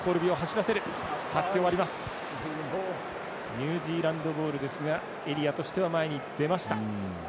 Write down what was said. ニュージーランドボールですがエリアとしては前に出ました。